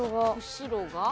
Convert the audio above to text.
後ろが？